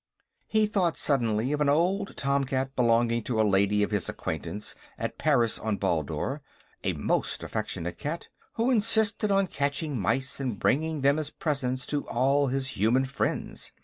He thought, suddenly, of an old tomcat belonging to a lady of his acquaintance at Paris on Baldur, a most affectionate cat, who insisted on catching mice and bringing them as presents to all his human friends.